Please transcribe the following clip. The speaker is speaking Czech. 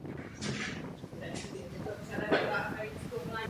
Jako všechny obce musela odevzdat zvony z místní kaple na vojenské účely.